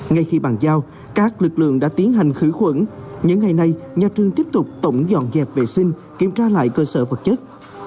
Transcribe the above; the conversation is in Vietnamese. ngay khi bàn giao các lực lượng đã tiến hành khử khuẩn những ngày này nhà trường tiếp tục tổng dọn dẹp vệ sinh kiểm tra lại cơ sở vật chất